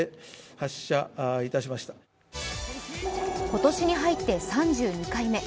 今年に入って３２回目。